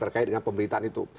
terkait dengan pemberitaan itu